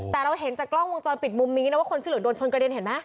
แต่เราเห็นจากกล้องวงจรปิดมุมนี้นะว่าคนชื่อเหลืองโดนชนกระเด็นเห็นไหม